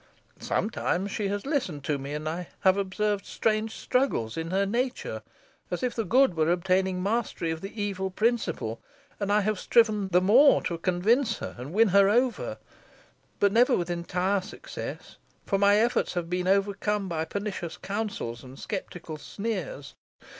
Sometimes she has listened to me; and I have observed strange struggles in her nature, as if the good were obtaining mastery of the evil principle, and I have striven the more to convince her, and win her over, but never with entire success, for my efforts have been overcome by pernicious counsels, and sceptical sneers.